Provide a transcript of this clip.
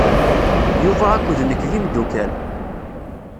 Yuba akked nekk d imdukal.